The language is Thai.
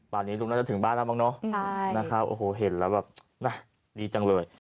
บ้านนี้ลุงน่าจะถึงบ้านแล้วบ้างเนอะน่าข้าวเห็นแล้วดีจังเลย